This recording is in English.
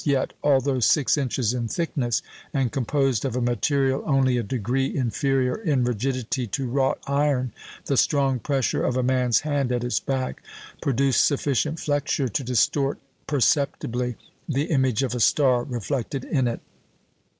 Yet, although six inches in thickness, and composed of a material only a degree inferior in rigidity to wrought iron, the strong pressure of a man's hand at its back produced sufficient flexure to distort perceptibly the image of a star reflected in it.